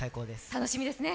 楽しみですね。